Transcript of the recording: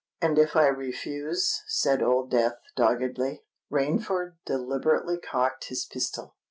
"And if I refuse?" said Old Death, doggedly. Rainford deliberately cocked his pistol.